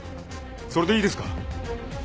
それでいいですか？